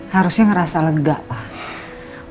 harusnya ngerasa lega pak